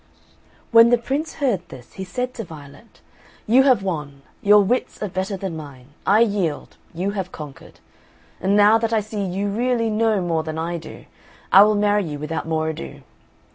When the Prince heard this, he said to Violet, "You have won your wits are better than mine. I yield you have conquered. And now that I see you really know more than I do, I will marry you without more ado."